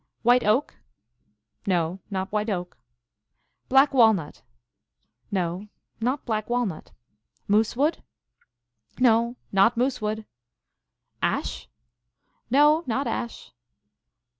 " White oak ?"" No, not white oak." " Black walnut ?"" No, not black walnut." " Moosewood?" " No, not moosewood." "Ash?" " No, not ash."